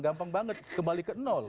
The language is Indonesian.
gampang banget kembali ke nol